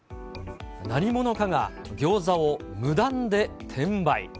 何者かがギョーザを無断で転売。